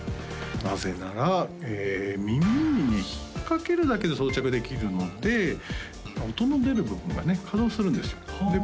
なぜなら耳にね引っかけるだけで装着できるので音の出る部分がね可動するんですよで